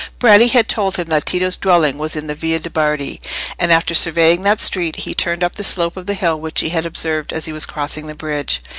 Bratti had told him that Tito's dwelling was in the Via de' Bardi; and, after surveying that street, he turned up the slope of the hill which he had observed as he was crossing the bridge.